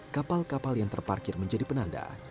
kapal kapal yang terparkir menjadi penanda